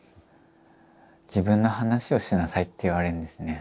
自分の話をしなさいって言われるんですね。